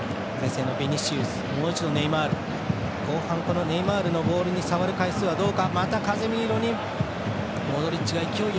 後半、ネイマールのボールに触る回数は、どうか。